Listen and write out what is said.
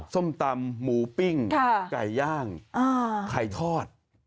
ส้มตำหมูปิ้งไก่ย่างไข่ทอด